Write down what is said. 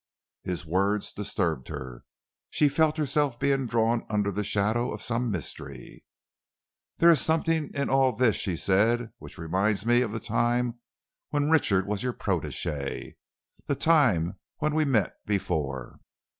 His words disturbed her. She felt herself being drawn under the shadow of some mystery. "There is something in all this," she said, "which reminds me of the time when Richard was your protégé, the time when we met before."